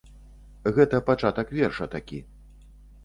Гэта пачатак верша такі.